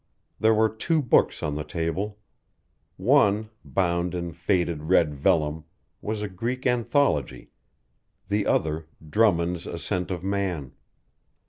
There were two books on the table. One, bound in faded red vellum, was a Greek Anthology, the other Drummond's Ascent of Man.